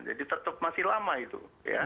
jadi tetap masih lama itu